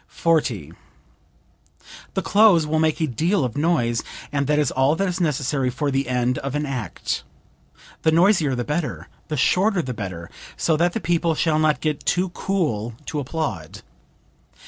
]) 40. "The close will make a deal of noise; and that is all that is necessary for the end of an act; the noisier the better, the shorter the better, so that the people shall not get too cool to applaud."